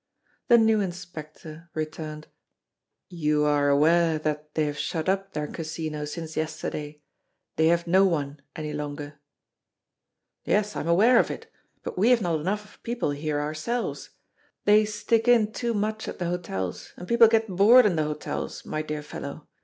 The new inspector returned: "You are aware that they have shut up their Casino since yesterday. They have no one any longer." "Yes, I am aware of it; but we have not enough of people here ourselves. They stick in too much at the hotels; and people get bored in the hotels, my dear fellow.